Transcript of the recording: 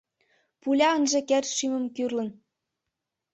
Пуля ынже керт шӱмым кӱрлын